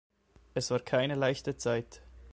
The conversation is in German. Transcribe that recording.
Es war keine leichte Zeit.